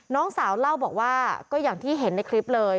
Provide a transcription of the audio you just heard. น้องสาวเล่าบอกว่าก็อย่างที่เห็นในคลิปเลย